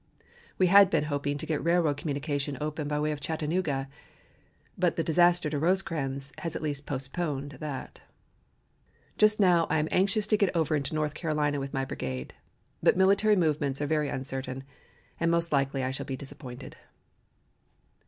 We had been hoping to get railroad communication open by way of Chattanooga, but the disaster to Rosecrans has at least postponed that. Just now I am anxious to get over into North Carolina with my brigade, but military movements are very uncertain and most likely I shall be disappointed."